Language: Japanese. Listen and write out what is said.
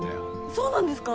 そうなんですか？